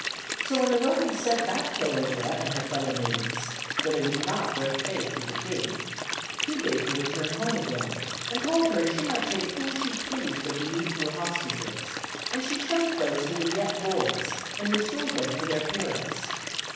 So when the Romans sent back Cloelia and her fellow maidens for they would not break faith with the king he bade her return home again, and told her she might take whom she pleased of the youths who were hostages; and she chose those who were yet boys, and restored them to their parents.